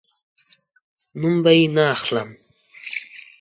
نوم به یې نه اخلم